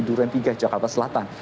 duren tiga jakarta selatan